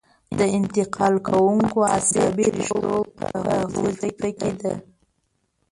د انتقال کوونکو عصبي رشتو په وظیفه کې ده.